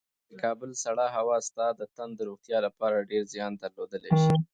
د کابل سړې هوا ستا د تن د روغتیا لپاره ډېر زیان درلودلی شي.